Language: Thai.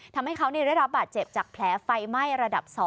ทำให้เขาได้รับบาดเจ็บจากแผลไฟไหม้ระดับ๒